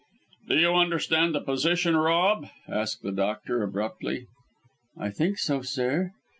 "Do you understand the position, Rob?" asked the doctor, abruptly. "I think so, sir.